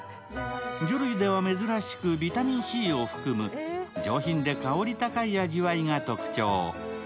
魚類では珍しくビタミンＣを含む上品で香り高い味わいが特徴。